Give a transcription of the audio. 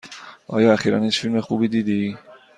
آیا اخیرا هیچ فیلم خوبی دیدی؟